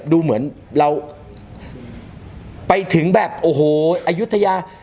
ดูเหมือนเราไปถึงแบบโอ้โหอายุทยา